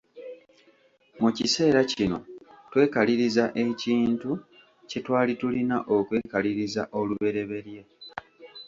Mu kiseera kino twekaliriza ekintu kye twali tulina okwekaliriza oluberyeberye.